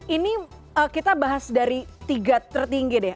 ini kita bahas dari tiga tertinggi deh